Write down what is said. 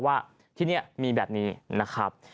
ว่าที่นี่มีแบบนี้นะครับ